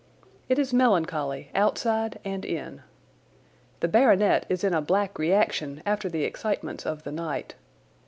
It is melancholy outside and in. The baronet is in a black reaction after the excitements of the night.